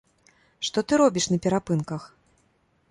Што ты робіш на перапынках?